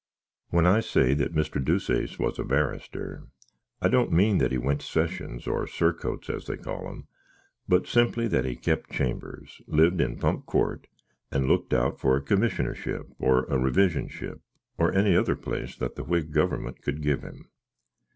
When I say that Mr. Deuceace was a barrystir, I don't mean that he went sesshums or surcoats (as they call 'em), but simply that he kep chambers, lived in Pump Court, and looked out for a commitionarship, or a revisinship, or any other place that the Wig guwyment could give him.